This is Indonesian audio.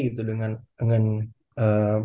gitu dengan dengan ee